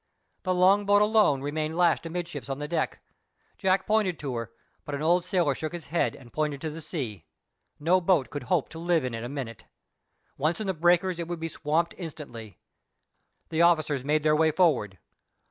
The long boat alone remained lashed amidships on the deck. Jack pointed to her, but an old sailor shook his head and pointed to the sea. No boat could hope to live in it a minute. Once in the breakers it would be swamped instantly. The officers made their way forward.